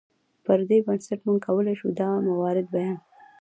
پر دې بنسټ موږ کولی شو دا موارد بیان کړو.